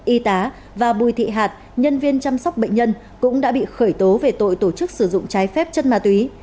y tá và bùi thị hạt nhân viên chăm sóc bệnh nhân cũng đã bị khởi tố về tội tổ chức sử dụng trái phép chất ma túy